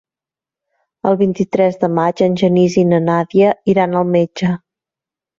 El vint-i-tres de maig en Genís i na Nàdia iran al metge.